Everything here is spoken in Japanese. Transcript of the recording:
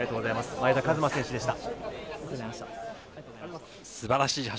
前田和摩選手でした。